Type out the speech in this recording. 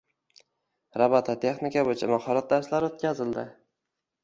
Robototexnika bo‘yicha mahorat darslari o‘tkazildi